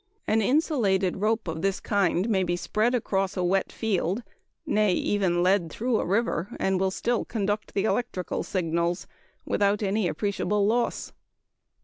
An insulated rope of this kind may be spread across a wet field nay, even led through a river and will still conduct the electrical signals, without any appreciable loss."